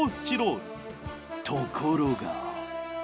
ところが。